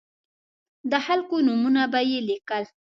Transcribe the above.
د خلکو نومونه به یې لیکل.